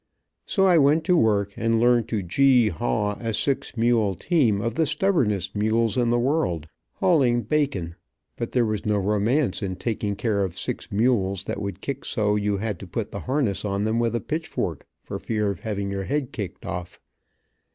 So I went to work and learned to gee haw a six mule team of the stubbornest mules in the world, hauling bacon, but there was no romance in taking care of six mules that would kick so you had to put the harness on them with a pitchfork, for fear of having your head kicked off.